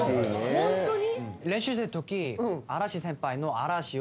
ホントに？